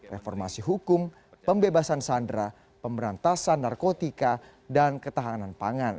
reformasi hukum pembebasan sandera pemberantasan narkotika dan ketahanan pangan